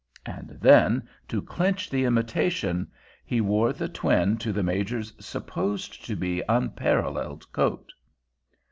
And then, to clinch the imitation, he wore the twin to the Major's supposed to be unparalleled coat.